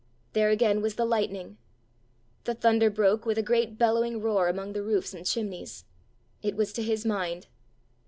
There again was the lightning! The thunder broke with a great bellowing roar among the roofs and chimneys. It was to his mind!